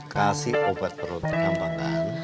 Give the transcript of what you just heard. kasih obat perut gampang kan